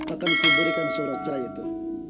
akan kuburikan surat cerai itu